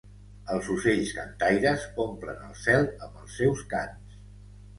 Els ocells cantaires omplen el cel amb els seus cants.